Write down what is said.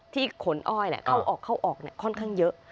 ที่ขนอ้อยเนี่ยเข้าออกเนี่ยค่อนข้างเยอะ